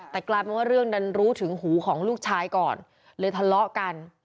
แต่กลายเป็นว่าเรื่องดันรู้ถึงหูของลูกชายก่อนเลยทะเลาะกัน